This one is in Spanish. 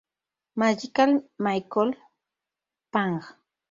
Magical Michael: Pang